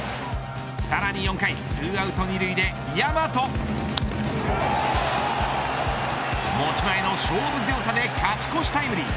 さらに４回２アウト２塁で大和。持ち前の勝負強さで勝ち越しタイムリー。